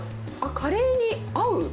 カレーに合う。